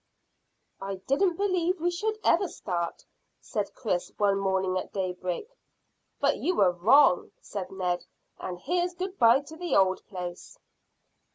"I didn't believe we ever should start," said Chris, one morning at daybreak. "But you were wrong," said Ned, "and here's good bye to the old place."